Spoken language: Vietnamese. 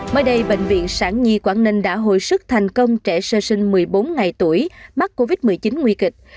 mới đây bệnh viện sản nhi quảng ninh đã hồi sức thành công trẻ sơ sinh một mươi bốn ngày tuổi mắc covid một mươi chín nguy kịch